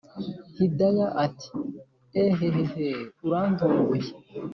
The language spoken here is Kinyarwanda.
hidaya ati”eehhh urantunguye